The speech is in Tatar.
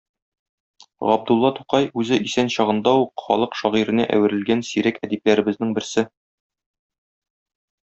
Габдулла Тукай - үзе исән чагында ук халык шагыйренә әверелгән сирәк әдипләребезнең берсе.